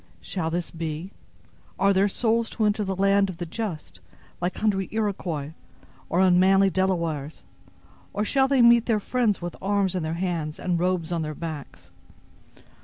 Shall this be? Are their souls to enter the land of the just like hungry Iroquois or unmanly Delawares, or shall they meet their friends with arms in their hands and robes on their backs?